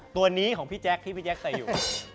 ตัวนี้ของพี่แจ๊คที่พี่แจ๊คใส่อยู่